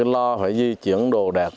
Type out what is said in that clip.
lo phải di chuyển đồ đạc